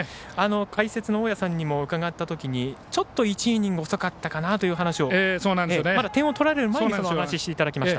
解説の大矢さんにも伺ったときにちょっと１イニング遅かったかなという話をまだ点を取られる前にお話いただきました。